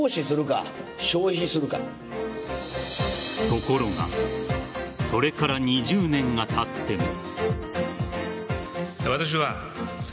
ところがそれから２０年がたっても。